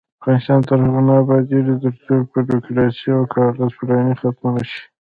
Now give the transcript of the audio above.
افغانستان تر هغو نه ابادیږي، ترڅو بیروکراسي او کاغذ پراني ختمه نشي.